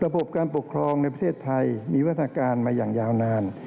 การปกครองในประเทศไทยมีวัฒนาการมาอย่างยาวนาน